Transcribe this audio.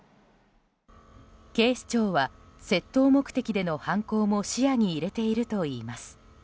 警視庁は窃盗目的での犯行も視野に入れているといいます。